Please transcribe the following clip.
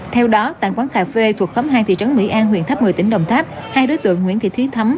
theo đó tại quán cà phê thuộc khóm hai thị trấn mỹ an huyện tháp một mươi tỉnh đồng tháp hai đối tượng nguyễn thị thúy thấm